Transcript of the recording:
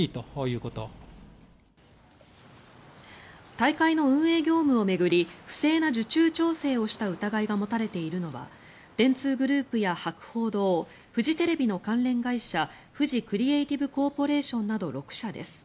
大会の運営業務を巡り不正な受注調整をした疑いが持たれているのは電通グループや博報堂フジテレビの関連会社フジクリエイティブコーポレーションなど６社です。